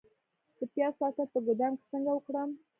د پیاز ساتل په ګدام کې څنګه وکړم؟